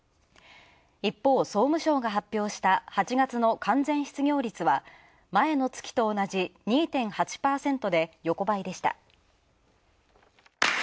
一方、総務省が発表した８月の完全失業率は前の月と同じ２．８％で横ばいでした。